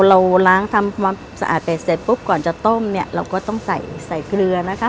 เราล้างทำความสะอาดเป็ดเสร็จปุ๊บก่อนจะต้มเนี่ยเราก็ต้องใส่ใส่เกลือนะคะ